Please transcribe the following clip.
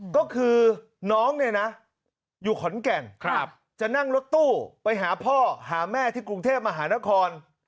ก็คือน้องเนี่ยนะอยู่ขอนแก่นจะนั่งรถตู้ไปหาพ่อหาแม่ที่กรุงเทพมหานคร